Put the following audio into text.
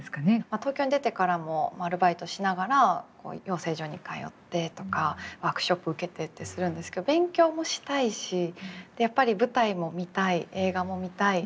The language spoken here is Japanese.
東京に出てからもアルバイトしながら養成所に通ってとかワークショップ受けてってするんですけど勉強もしたいしやっぱり舞台も見たい映画も見たい